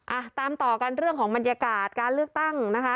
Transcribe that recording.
อ่ะตามต่อกันเรื่องของบรรยากาศการเลือกตั้งนะคะ